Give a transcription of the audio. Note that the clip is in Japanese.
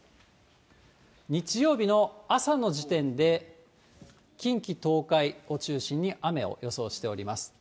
日曜日の朝の時点で、近畿、東海を中心に雨を予想しています。